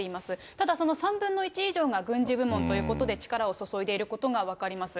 ただその３分の１以上が軍事部門ということで、力を注いでいることが分かります。